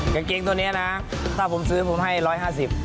กางเกงตัวนี้นะถ้าผมซื้อผมให้๑๕๐บาท